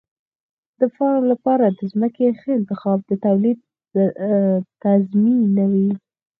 د فارم لپاره د ځمکې ښه انتخاب د تولید تضمینوي.